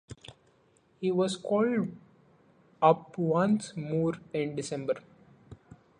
He was called up once more in December.